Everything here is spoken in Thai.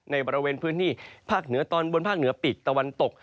ในบริเวณพื้นที่ภาคเหนือตอนบนภาคเหนือปีกตะวันตก